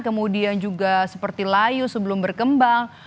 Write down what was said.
kemudian juga seperti layu sebelum berkembang